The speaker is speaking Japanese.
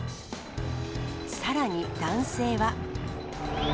さらに男性は。